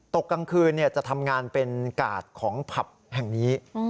กลางคืนจะทำงานเป็นกาดของผับแห่งนี้